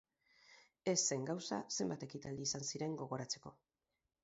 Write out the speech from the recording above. Ez zen gauza zenbat ekinaldi izan ziren gogoratzeko.